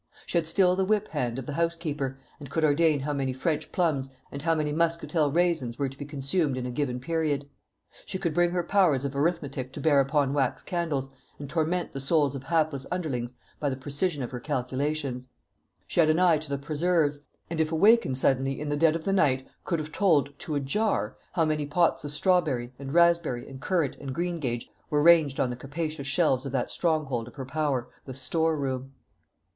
She had still the whip hand of the housekeeper, and could ordain how many French plums and how many muscatel raisins were to be consumed in a given period. She could bring her powers of arithmetic to bear upon wax candles, and torment the souls of hapless underlings by the precision of her calculations. She had an eye to the preserves; and if awakened suddenly in the dead of the night could have told, to a jar, how many pots of strawberry, and raspberry, and currant, and greengage were ranged on the capacious shelves of that stronghold of her power, the store room.